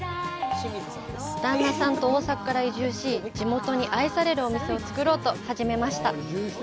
旦那さんと大阪から移住し、地元に愛されるお店を作ろうと始めました。